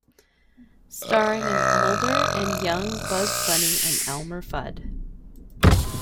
Starring an older and young Bugs Bunny and Elmer Fudd.